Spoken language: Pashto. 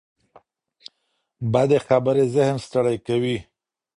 بدې خبرې ذهن ستړي کوي